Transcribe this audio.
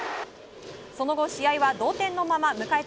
その後、試合は同点のまま迎えた